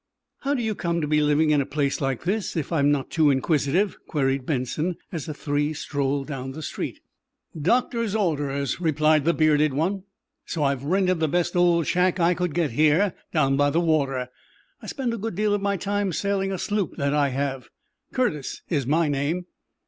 "How do you come to be living in a place like this, if I'm not too inquisitive?" queried Benson, as the three strolled down the street. "Doctor's orders," replied the bearded one. "So I've rented the best old shack I could get here, down by the water. I spend a good deal of my time sailing a sloop that I have. Curtis is my name."